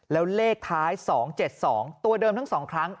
แล้วเลขท้าย๒๗๒ตัวเดิมทั้ง๒ครั้ง